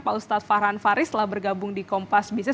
pak ustadz fahran faris telah bergabung di kompas bisnis